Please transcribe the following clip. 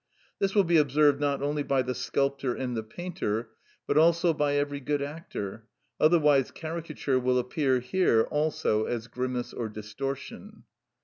This will be observed, not only by the sculptor and the painter, but also by every good actor; otherwise caricature will appear here also as grimace or distortion.